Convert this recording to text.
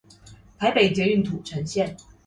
台北捷運土城線